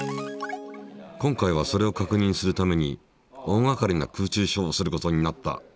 今回はそれを確認するために大がかりな空中ショーをすることになった。